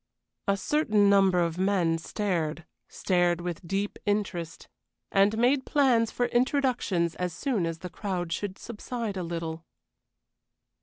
A certain number of men stared stared with deep interest, and made plans for introductions as soon as the crowd should subside a little.